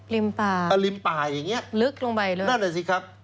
ป่าอ่าริมป่าอย่างเงี้ยลึกลงไปเลยนั่นแหละสิครับ